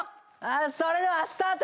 それではスタート！